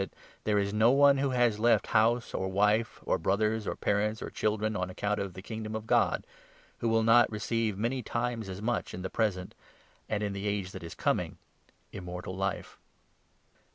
I tell you," he answered, " that there is no one who has left house, or wife, or brothers, or parents, or children, on account of the Kingdom of God, who will not receive many times as much in the present, and in the age that is coming Immortal Life."